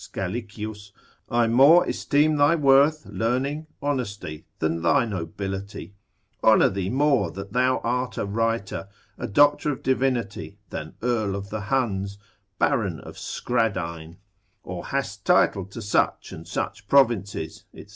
Schalichius, I more esteem thy worth, learning, honesty, than thy nobility; honour thee more that thou art a writer, a doctor of divinity, than Earl of the Huns, Baron of Skradine, or hast title to such and such provinces, &c.